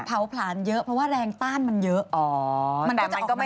เผาผลานเยอะเพราะว่าแรงต้านมันเยอะ